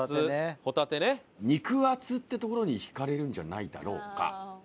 肉厚ってところに惹かれるんじゃないだろうか？